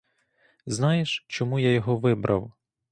Знаєш, чому я його вибрав?